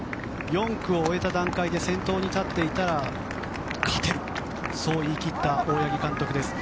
４区を終えた段階で先頭に立っていたら勝てるそう言い切った大八木監督です。